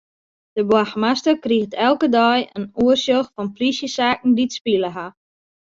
De boargemaster kriget elke dei in oersjoch fan plysjesaken dy't spile ha.